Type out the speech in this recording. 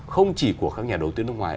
không chỉ của các nhà đầu tư nước ngoài